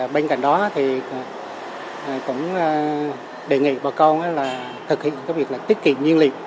bên cạnh đó cũng đề nghị bà con thực hiện các việc tiết kiệm nhiên liệt